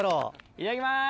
いただきます。